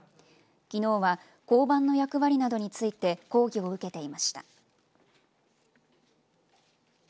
きのうは交番の役割などについて講義を受けていました。